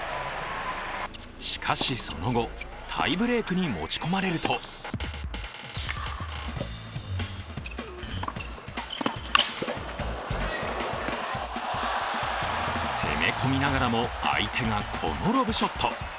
しかし、その後、タイブレークに持ち込まれると攻め込みながらも、相手がこのロブショット。